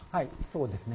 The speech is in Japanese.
そうですね。